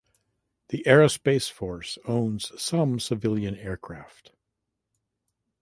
The Aerospace Force owns some civilian aircraft.